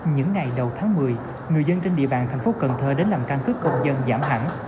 những ngày đầu tháng một mươi người dân trên địa bàn tp cn đến làm căn cứ công dân giảm hẳn